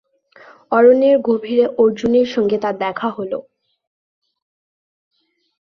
অরণ্যের গভীরে অর্জুনের সঙ্গে তাঁর দেখা হল।